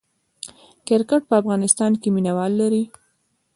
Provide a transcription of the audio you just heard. کرکټ په افغانستان کې مینه وال لري